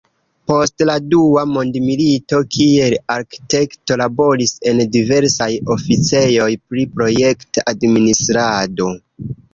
Post la dua mondmilito kiel arkitekto laboris en diversaj oficejoj pri projekt-administrado.